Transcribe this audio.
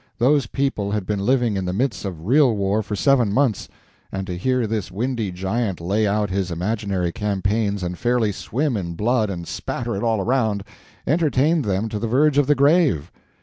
Those people had been living in the midst of real war for seven months; and to hear this windy giant lay out his imaginary campaigns and fairly swim in blood and spatter it all around, entertained them to the verge of the grave.